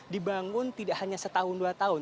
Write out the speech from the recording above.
dibangun tidak hanya setahun dua tahun